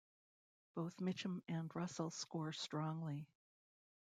Both Mitchum and Russell score strongly.